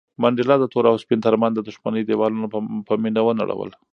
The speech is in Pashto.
منډېلا د تور او سپین تر منځ د دښمنۍ دېوالونه په مینه ونړول.